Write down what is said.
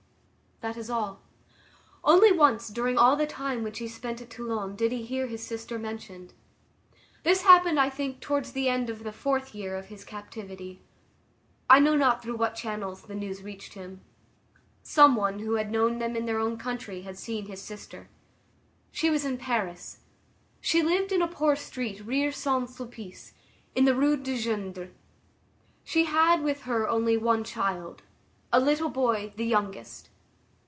That is all. Only once, during all the time which he spent at Toulon, did he hear his sister mentioned. This happened, I think, towards the end of the fourth year of his captivity. I know not through what channels the news reached him. Some one who had known them in their own country had seen his sister. She was in Paris. She lived in a poor street near Saint Sulpice, in the Rue du Gindre. She had with her only one child, a little boy, the youngest.